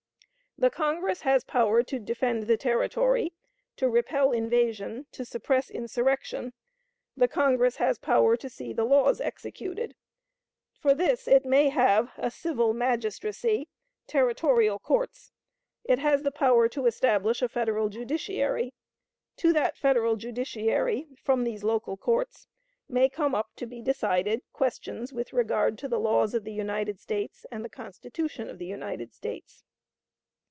The Congress has power to defend the territory, to repel invasion, to suppress insurrection; the Congress has power to see the laws executed. For this it may have a civil magistracy territorial courts. It has the power to establish a Federal judiciary. To that Federal judiciary, from these local courts, may come up to be decided questions with regard to the laws of the United States and the Constitution of the United States.